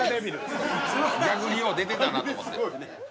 逆によう出てたなと思って。